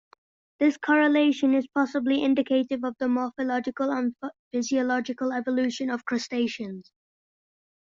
This correlation is possibly indicative of the morphological and physiological evolution of crustaceans.